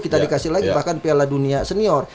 kita dikasih lagi bahkan piala dunia senior